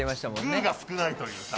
グーが少ないというさ。